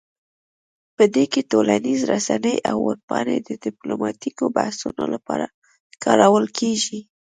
په دې کې ټولنیز رسنۍ او ویب پاڼې د ډیپلوماتیکو بحثونو لپاره کارول کیږي